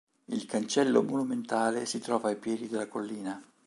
Il cancello monumentale si trova ai piedi della collina.